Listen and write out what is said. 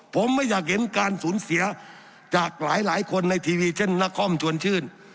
ผมไม่อยากเห็นการสูญเสียจากหลายคนในทีวีเช่นนครชวนชื่น